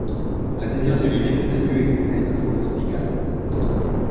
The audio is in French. L’intérieur de l’île est montagneux et couvert de forêt tropicale.